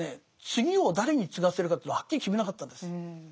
次を誰に継がせるかというのをはっきり決めなかったんです。